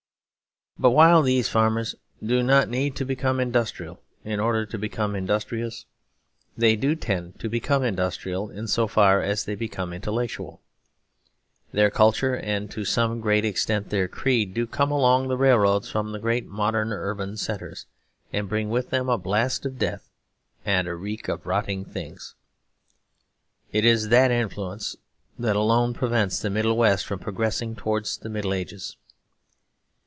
But, while these farmers do not need to become industrial in order to become industrious, they do tend to become industrial in so far as they become intellectual. Their culture, and to some great extent their creed, do come along the railroads from the great modern urban centres, and bring with them a blast of death and a reek of rotting things. It is that influence that alone prevents the Middle West from progressing towards the Middle Ages.